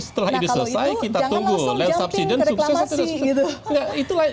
setelah ini selesai kita tunggu land subsidence sukses atau tidak sukses